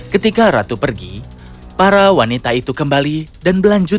ketika ratu pergi para wanita itu kembali dan berlanjut